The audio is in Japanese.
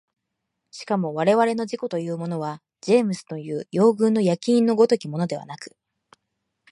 しかも我々の自己というのはジェームスのいう羊群の焼印の如きものではなく、